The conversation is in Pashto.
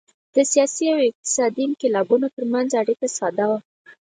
د سیاسي او اقتصادي انقلابونو ترمنځ اړیکه ساده وه